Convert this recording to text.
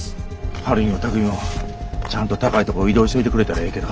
晴美も巧海もちゃんと高いとこ移動しといてくれたらええけど。